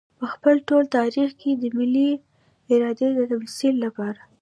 په خپل ټول تاريخ کې د ملي ارادې د تمثيل لپاره.